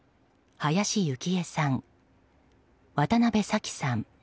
林幸恵さん、渡邉咲季さん